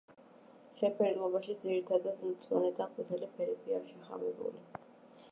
შეფერილობაში ძირითადად მწვანე და ყვითელი ფერებია შეხამებული.